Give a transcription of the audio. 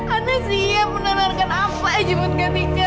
ana siap menonarkan apa aja buat kak dika